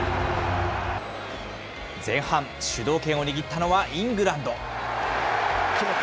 前半、主導権を握ったのはイングランド。